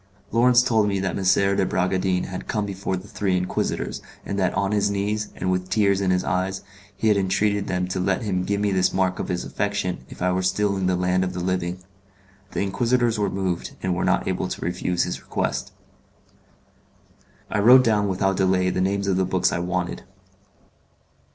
Lawrence told me that M. de Bragadin had come before the three Inquisitors, and that on his knees, and with tears in his eyes, he had entreated them to let him give me this mark of his affection if I were still in the land of the living; the Inquisitors were moved, and were not able to refuse his request. I wrote down without delay the names of the books I wanted.